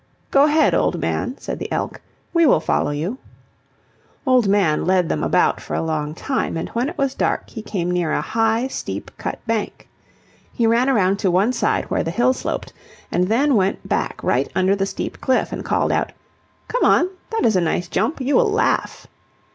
"Go ahead, Old Man," said the elk; "we will follow you." Old Man led them about for a long time, and when it was dark he came near a high, steep cut bank. He ran around to one side, where the hill sloped, and then went back right under the steep cliff and called out, "Come on, that is a nice jump. You will laugh."